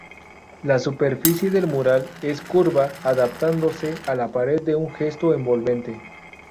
La superficie del mural es curva, adaptándose a la pared en un gesto envolvente.